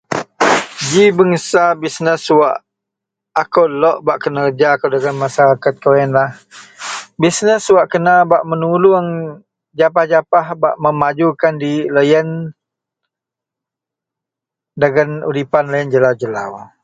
Ji business wak aku lok bak kenereja kou dalam masa ito ialah business wak kena menulung japah bak memajukan lo yian dagen udipan lo yian jelau-jelau.